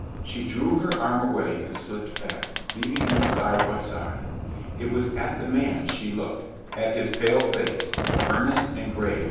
She drew her arm away and slipped back, leaving them side by side. It was at the man she looked, at his pale face, earnest and grave